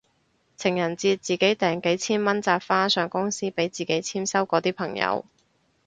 情人節自己訂幾千蚊紮花上公司俾自己簽收嗰啲朋友